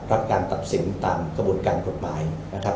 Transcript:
รับการตัดสินตามกระบวนการกฎหมายนะครับ